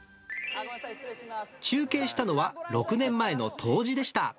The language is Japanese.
中継したのは６年前の冬至でした。